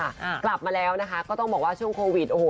กลับมาแล้วนะคะก็ต้องบอกว่าช่วงโควิดโอ้โห